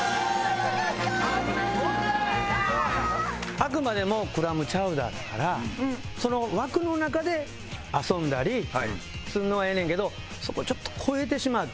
あくまでもクラムチャウダーだからその枠の中で遊んだりするのはええねんけどそこちょっと越えてしまって。